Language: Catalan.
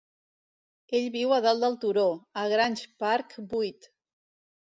Ell viu a dalt del turó, a Grange Park vuit